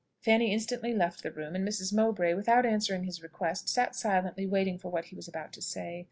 Fanny instantly left the room, and Mrs. Mowbray, without answering his request, sat silently waiting for what he was about to say.